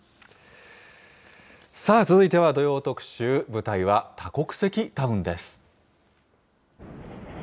さあ続いては、土曜特集、舞台は多国籍タウンです。